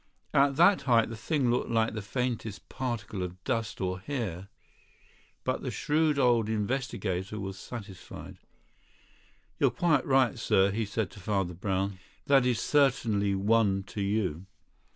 At that height the thing looked like the faintest particle of dust or hair, but the shrewd old investigator was satisfied. "You're quite right, sir," he said to Father Brown; "that is certainly one to you."